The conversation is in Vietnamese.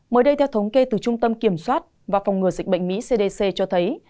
mới đây theo thống kê từ trung tâm kiểm soát và phòng ngừa dịch bệnh mỹ cdc cho thấy